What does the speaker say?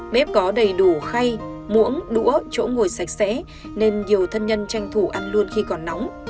bếp có đầy đủ khay muỗng đũa chỗ ngồi sạch sẽ nên nhiều thân nhân tranh thủ ăn luôn khi còn nóng